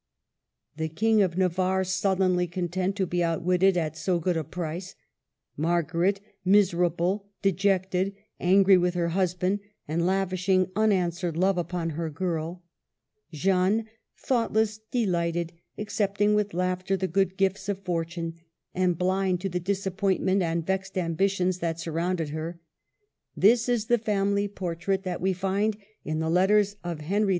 The King of Navarre sullenly content to be outwitted at so good a price; Margaret miser able, dejected, angry with her husband, and lav ishing unanswered love upon her girl ; Jeanne thoughtless, delighted, accepting with laughter the good gifts of Fortune, and blind to the dis appointment and vexed ambitions that sur rounded her, — this is the family portrait that we find in the letters of Henry II.